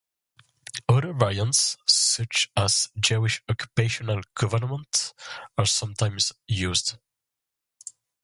Other variants such as "Jewish occupational government" are sometimes used.